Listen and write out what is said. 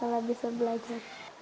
karena bisa belajar